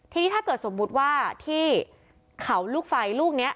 ทีนี้ถ้าเกิดสมมุติว่าที่เขาลูกไฟลูกนี้